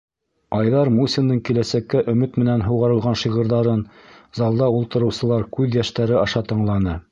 Айҙар Мусиндың киләсәккә өмөт менән һуғарылған шиғырҙарын залда ултырыусылар күҙ йәштәре аша тыңланы.